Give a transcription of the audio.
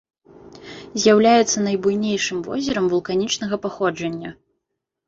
З'яўляецца найбуйнейшым возерам вулканічнага паходжання.